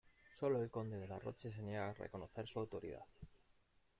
Sólo el conde de la Roche se niega a reconocer su autoridad.